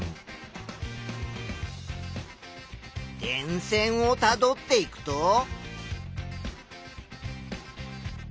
電線をたどっていくと。